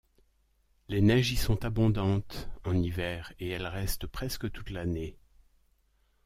Les neiges y sont abondantes en hiver et elles restent presque toute l'année.